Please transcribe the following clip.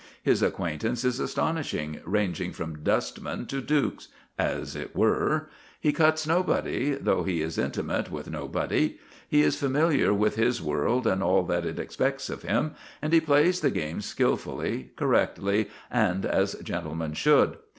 His acquaintance is astonishing, ranging from dustmen to dukes, as it were; he cuts nobody, though he is intimate with nobody; he is familiar with his world and all that it expects of him; and he plays the game skilfully, correctly, and as a gentleman should.